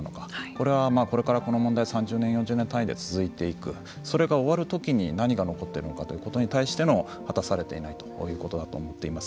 これは、これからこの問題３０年、４０年単位で続いていくそれが終わる時に何が残っているということに対しての果たされていないということだと思っています。